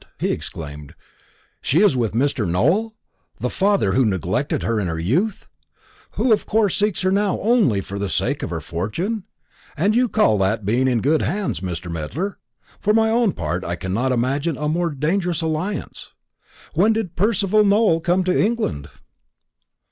he exclaimed; "she is with Mr. Nowell the father who neglected her in her youth, who of course seeks her now only for the sake of her fortune? And you call that being in good hands, Mr. Medler? For my own part, I cannot imagine a more dangerous alliance. When did Percival Nowell come to England?"